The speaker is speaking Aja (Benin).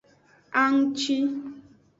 Anngci.